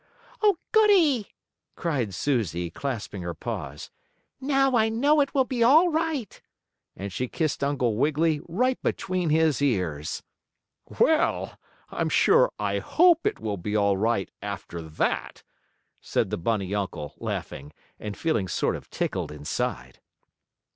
"Oh, goodie!" cried Susie, clasping her paws. "Now I know it will be all right," and she kissed Uncle Wiggily right between his ears. "Well, I'm sure I hope it will be all right after that," said the bunny uncle, laughing, and feeling sort of tickled inside.